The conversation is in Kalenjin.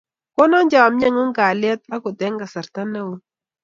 Konon chomye ng'ung' kalyet angot eng' kasarta ne ui.